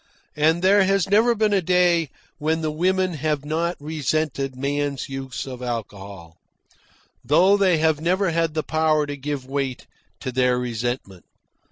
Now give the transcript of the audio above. And there has never been a day when the women have not resented man's use of alcohol, though they have never had the power to give weight to their resentment.